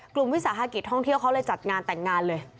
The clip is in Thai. วิสาหกิจท่องเที่ยวเขาเลยจัดงานแต่งงานเลย